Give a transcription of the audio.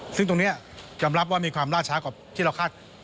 ซึ่งตรงนี้ยอมรับว่ามีความล่าช้ากว่าที่เราคาด